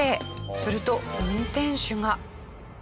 すると運転手が。